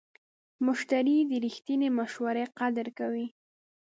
مشتری د رښتینې مشورې قدر کوي.